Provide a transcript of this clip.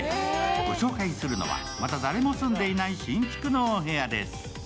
ご紹介するのは、まだ誰も住んでいない新築のお部屋です。